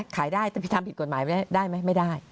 ขายได้แต่ผิดทำผิดกฎหมายไม่ได้ไหมไม่ได้